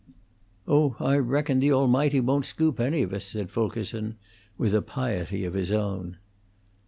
"Oh, I reckon the Almighty won't scoop any of us," said Fulkerson, with a piety of his own.